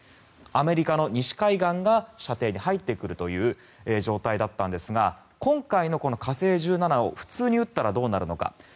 アメリカの西海岸が射程に入ってくるという状態だったんですが今回の火星１７を普通に打ったらどうなるのか。